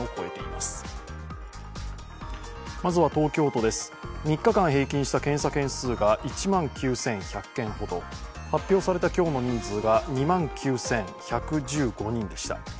まずは東京都です、３日間平均した検査件数が１万９１００件ほど発表された今日の人数が２万９１１５人でした。